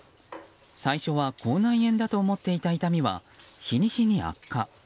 最初は口内炎だと思っていた痛みは日に日に悪化。